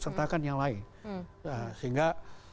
sertakan yang lain sehingga